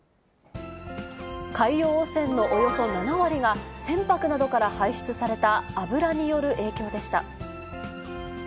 海洋汚染のおよそ７割が、船舶などから排出された油による影響でした。